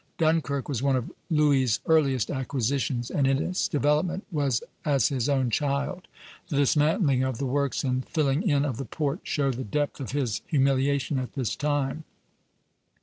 Dunkirk was one of Louis' earliest acquisitions, and in its development was as his own child; the dismantling of the works and filling in of the port show the depth of his humiliation at this time.